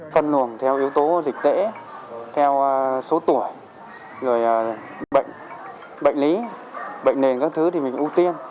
phân luồng theo yếu tố dịch tễ theo số tuổi rồi bệnh lý bệnh nền các thứ thì mình ưu tiên